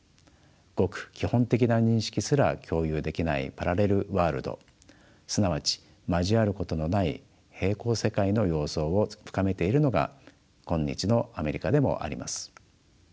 ごく基本的な認識すら共有できないパラレルワールドすなわち「交わることのない並行世界」の様相を深めているのが今日のアメリカでもあります。